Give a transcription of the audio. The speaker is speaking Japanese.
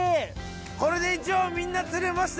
これで一応みんな釣れました。